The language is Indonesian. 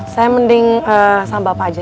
saya mending sama bapak aja